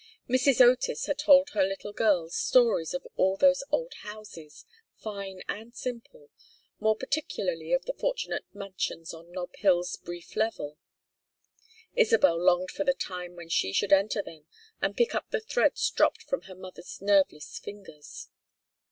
Mrs. Otis had told her little girls stories of all those old houses, fine and simple, more particularly of the fortunate mansions on Nob Hill's brief level. Isabel longed for the time when she should enter them and pick up the threads dropped from her mother's nerveless fingers.